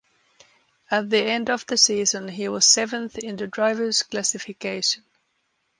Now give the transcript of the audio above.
At the end of the season he was seventh in the Drivers' Classification.